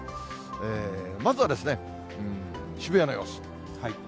まずは渋谷の様子。